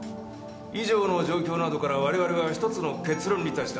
以上の状況などから我々は１つの結論に達した。